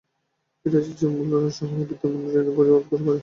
এটা ঠিক যে মূল্যহ্রাস হলে বিদ্যমান ঋণের বোঝা আরও ভারী হয়।